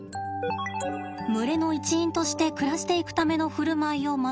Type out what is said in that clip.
群れの一員として暮らしていくための振る舞いを学ぶ